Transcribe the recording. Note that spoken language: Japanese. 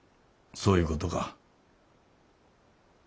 そういうことか。